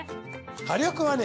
火力はね